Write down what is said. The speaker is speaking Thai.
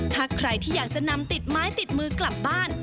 ถ้าใครที่อยากจะนำติดไม้ติดมือกลับบ้าน